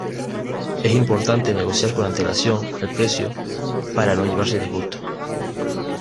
Es importante negociar con antelación el precio para no llevarse disgustos.